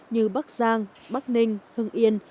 như bắc giang bắc ninh hưng yên